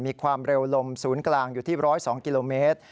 มีความเร็วลมศูนย์กลางอยู่ที่๑๐๒กิโลเมตร